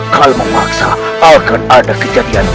kalau memaksa akan ada kejadian